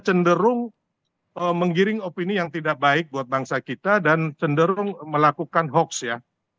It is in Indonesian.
cenderung menggiring opini yang tidak baik buat bangsa kita dan cenderung melakukan hoax ya